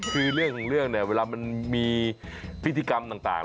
คือเรื่องของเรื่องเนี่ยเวลามันมีพิธีกรรมต่าง